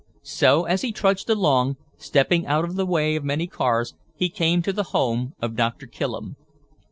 So, as he trudged along, stepping out of the way of many cars, he came to the home of Doctor Killem.